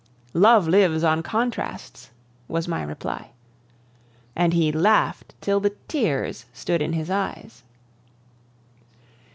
"Love lives on contrasts," was my reply. And he laughed till the tears stood in his eyes.